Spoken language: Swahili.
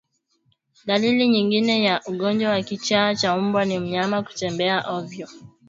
Dalili nyingine ya ugonjwa wa kichaa cha mbwa ni mnyama kutembea ovyo